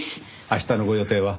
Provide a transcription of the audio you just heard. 明日のご予定は？